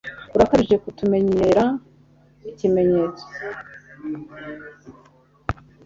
Urakabije kutumenyera ikimenyetso